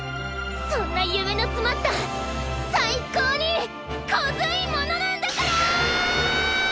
そんなゆめのつまったさいこうにコズいものなんだから！